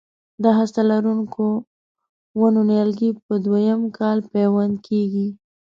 د هسته لرونکو ونو نیالګي په دوه یم کال پیوند کېږي.